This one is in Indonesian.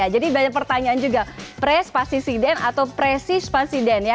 jadi banyak pertanyaan juga presi spasi siden atau presi spasi den ya